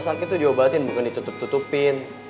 sakit tuh diobatin bukan ditutup tutupin